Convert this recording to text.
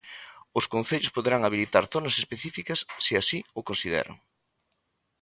Os concellos poderán habilitar zonas específicas se así o consideran.